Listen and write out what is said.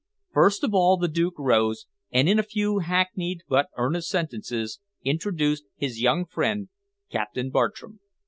First of all the Duke rose, and in a few hackneyed but earnest sentences introduced his young friend Captain Bartram.